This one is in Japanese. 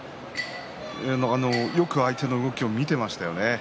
よく相手の動きを見ていましたよね。